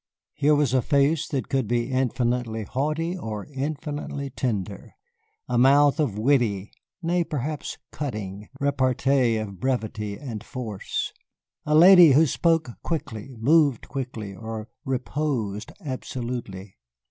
Here was a face that could be infinitely haughty or infinitely tender, a mouth of witty nay, perhaps cutting repartee of brevity and force. A lady who spoke quickly, moved quickly, or reposed absolutely.